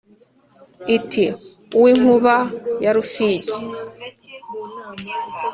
Iti « uw'inkuba ya Rufigi